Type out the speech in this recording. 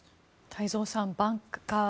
太蔵さんバンカー